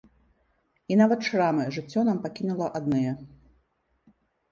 І нават шрамы жыццё нам пакінула адныя.